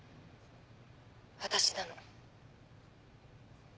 私なの。